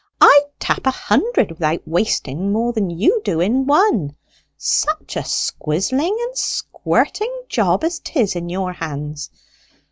"I'd tap a hundred without wasting more than you do in one. Such a squizzling and squirting job as 'tis in your hands!